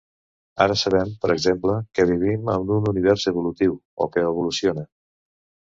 Ara sabem, per exemple, que vivim en un univers evolutiu o que evoluciona.